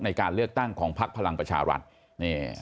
ในการเลือกตั้งของภาร์มประชารัติ